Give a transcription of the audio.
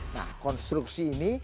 nah konstruksi ini